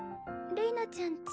れいなちゃん